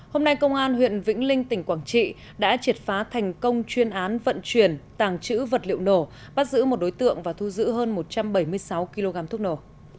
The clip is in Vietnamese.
hôm nay công an huyện vĩnh linh tỉnh quảng trị đã triệt phá thành công chuyên án vận chuyển tàng trữ vật liệu nổ bắt giữ một đối tượng và thu giữ hơn một trăm bảy mươi sáu kg thuốc nổ